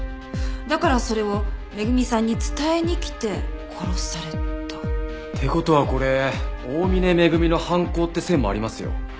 だからそれを恵さんに伝えに来て殺された？って事はこれ大峰恵の犯行って線もありますよ。